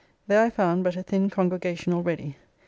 There I found but a thin congregation already.